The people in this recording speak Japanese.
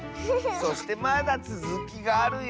そしてまだつづきがあるよ！